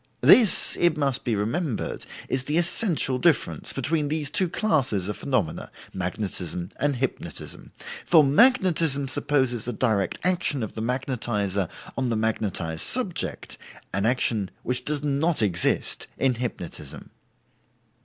This, it must be remembered, is the essential difference between these two classes of phenomena (magnetism and hypnotism): for magnetism supposes a direct action of the magnetizer on the magnetized subject, an action which does not exist in hypnotism."